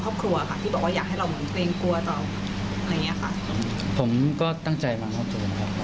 คือข้อมูลทางครอบครัวค่ะที่บอกว่าอยากให้เราเหมือนเป็นกลัวต่ออะไรอย่างนี้ค่ะ